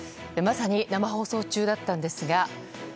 まさに生放送中だったんですが。